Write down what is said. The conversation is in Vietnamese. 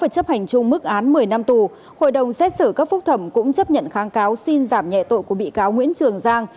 xét xử các phúc thẩm cũng chấp nhận kháng cáo xin giảm nhẹ tội của bị cáo nguyễn trường giang